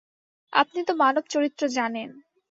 আপনি তো মানবচরিত্র জানেন।